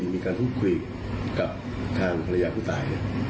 มีการพูดคุยกับทางภรรยาผู้ตาย